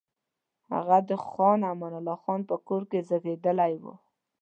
هغه د خان امان الله خان په کور کې زېږېدلی وو.